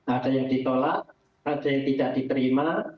ada yang ditolak ada yang tidak diterima